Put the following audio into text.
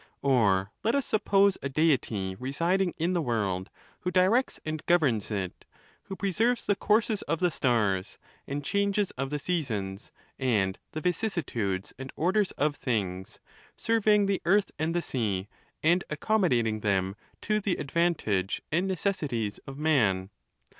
Or let us suppose a De ity residing in the world, who directs and governs it, who preserves the courses of the stars, the changes of the sea sons, and the vicissitudes and orders of things, surveying the earth and the sea, and accommodating them to the ad vantage and necessities of man.